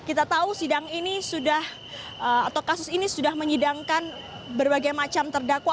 kita tahu sidang ini sudah atau kasus ini sudah menyidangkan berbagai macam terdakwa